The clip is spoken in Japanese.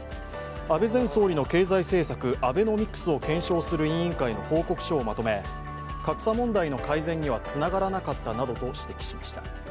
安倍前総理の経済政策、アベノミクスを検証する委員会の報告書をまとめ格差問題の改善にはつながらなかったなどと指摘しました。